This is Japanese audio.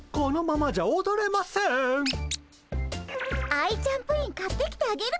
アイちゃんプリン買ってきてあげるからさ